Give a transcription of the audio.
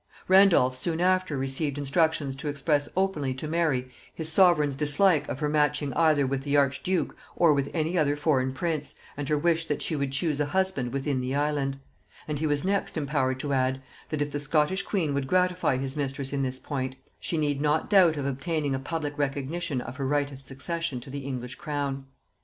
Randolph soon after received instructions to express openly to Mary his sovereign's dislike of her matching either with the archduke or with any other foreign prince, and her wish that she would choose a husband within the island; and he was next empowered to add, that if the Scottish queen would gratify his mistress in this point, she need not doubt of obtaining a public recognition of her right of succession to the English crown.